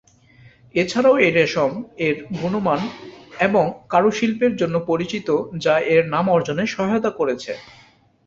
এছাড়াও এই রেশম, এর গুণমান এবং কারুশিল্পের জন্য পরিচিত, যা এর নাম অর্জনে সহায়তা করেছে।